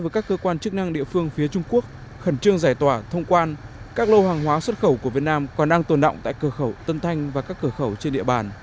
cơ hội hàng hóa xuất khẩu của việt nam còn đang tồn đọng tại cửa khẩu tân thanh và các cửa khẩu trên địa bàn